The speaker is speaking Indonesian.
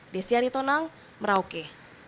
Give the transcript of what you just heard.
desyari tonang merauke